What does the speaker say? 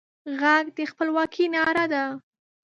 غږ د خپلواکۍ ناره ده